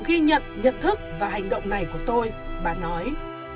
ghi nhận nhận thức và hành động này của tôi bà nói